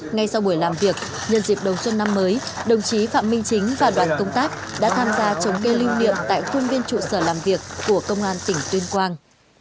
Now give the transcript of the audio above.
ngay sau buổi làm việc nhân dịp đầu xuân năm mới đồng chí phạm minh chính và đoàn công tác đã tham gia chống cây lưu niệm tại khuôn viên trụ sở làm việc của công an tỉnh tuyên quang